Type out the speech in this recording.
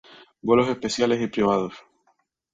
Vuelos especiales y privados.